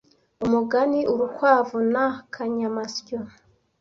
Umugani Urukwavu na akanyamasyo